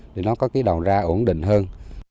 để nó có cái đầu ra ổn định hơn